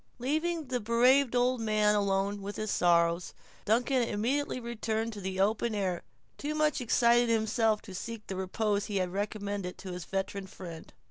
Leaving the bereaved old man alone with his sorrows, Duncan immediately returned into the open air, too much excited himself to seek the repose he had recommended to his veteran friend.